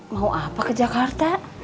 mau apa ke jakarta